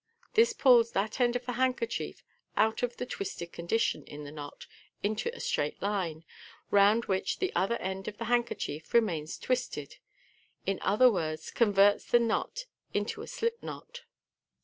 This pulls that end of the handkerchief out of its twisted MODh. IN MA GIC. 239 condition in the knot into a straight line, round which the other end of the handkerchief remains twisted ; in other words, converts the knot into a slip knot.